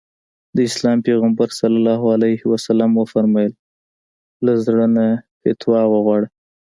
د اسلام پيغمبر ص وفرمايل له زړه نه فتوا وغواړه.